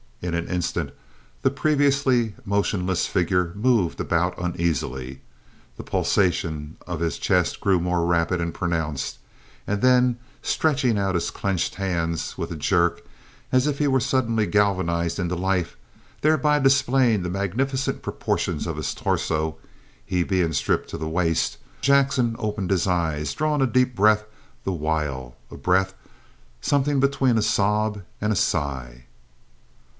In an instant the previously motionless figure moved about uneasily, the pulsation of his chest grew more rapid and pronounced, and then, stretching out his clenched hands with a jerk, as if he were suddenly galvanised into life, thereby displaying the magnificent proportions of his torso, he being stripped to the waist, Jackson opened his eyes, drawing a deep breath the while, a breath something between a sob and a sigh!